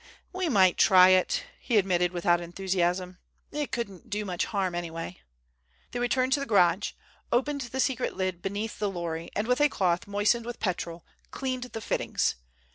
"We might try it," he admitted, without enthusiasm. "It couldn't do much harm anyway." They returned to the garage, opened the secret lid beneath the lorry, and with a cloth moistened with petrol cleaned the fittings.